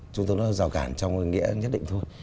chúng ta nói rào cản trong nghĩa nhất định thôi